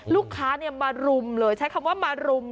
ลูกค้ามารุมเลยใช้คำว่ามารุม